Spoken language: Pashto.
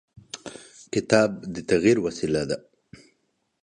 کتاب د تغیر وسیله ده.